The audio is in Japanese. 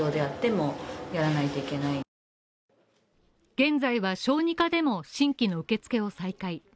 現在は小児科での新規の受付を再開。